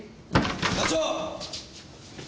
課長！